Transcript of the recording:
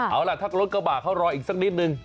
เอาล่ะถ้ารถกระบะเขารออีกสักนิดนึง